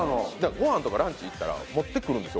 ご飯とかランチ行ったら持ってくるんですよ